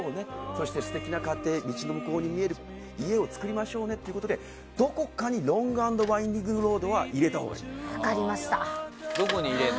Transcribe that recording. そして、素敵な家庭道の向こうに見える家を作りましょうねということでどこかに「ロング＆ワインディングロード」は入れたほうがいい。